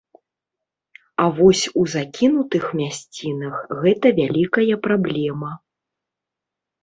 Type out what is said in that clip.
А вось у закінутых мясцінах гэта вялікая праблема.